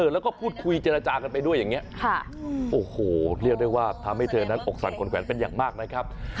แล้วก็พูดคุยเจรจากันไปด้วยอย่างนี้โอ้โหเรียกได้ว่าทำให้เธอนั้นอกสั่นขนแขวนเป็นอย่างมากนะครับ